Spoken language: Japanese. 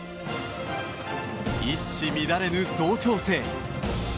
一糸乱れぬ同調性。